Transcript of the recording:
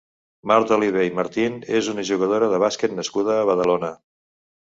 Marta Oliver i Marín és una jugadora de bàsquet nascuda a Badalona.